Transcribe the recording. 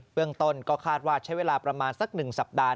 เรื่องต้นก็คาดว่าใช้เวลาประมาณสัก๑สัปดาห